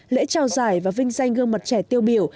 lễ trao giải và vinh danh gương mặt trẻ tiêu biểu